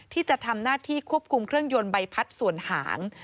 ที่จะทำหน้าที่ควบคุมเครื่องยนต์ใบพัดส่วนหาง